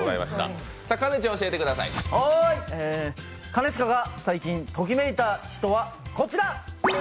兼近が最近ときめいた人はこちら。